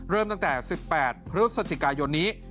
เริ่มตั้งแต่๑๘พฤศจิกายนนี้